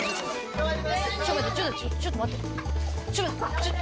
ちょっと待って。